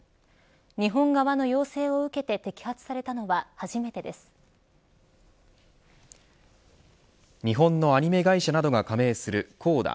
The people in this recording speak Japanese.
日本側の要請を受けて摘発されたのは日本のアニメ会社などが加盟するＣＯＤＡ